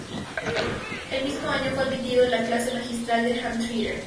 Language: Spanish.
El mismo año, fue admitido en la clase magistral de Hann Trier.